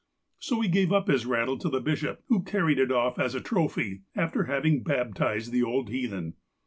So he gave his rattle to the bishop, who carried it off as a trophy, after having baptized the old heathen.